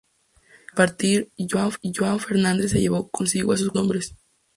Al partir, João Fernandes se llevó consigo a sus cuatro hijos hombres.